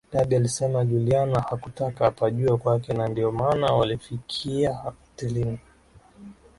Debby alisema Juliana hakutaka apajue kwake na ndio maana walifikia hotelini